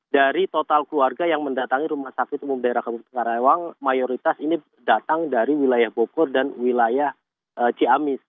dari total keluarga yang mendatangi rumah sakit umum daerah kabupaten karawang mayoritas ini datang dari wilayah bogor dan wilayah ciamis